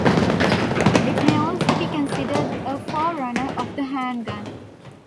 It may also be considered a forerunner of the handgun.